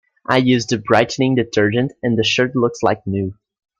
I used a brightening detergent and the shirt looks like new.